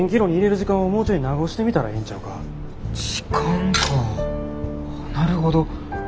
時間かなるほど。